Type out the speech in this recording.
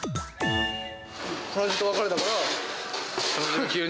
彼女と別れたから。